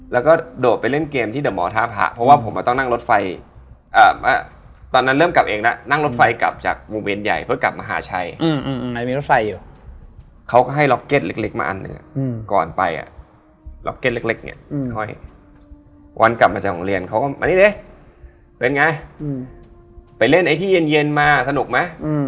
แล้วมันเป็นที่ถึงเหมือนเป็นเกาะ